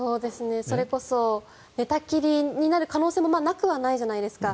それこそ寝たきりになる可能性もなくはないじゃないですか。